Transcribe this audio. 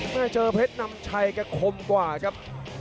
แม่เจอเพชรน้ำชัยกระคมกว่าครับ